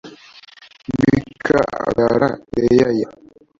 mika abyara reyaya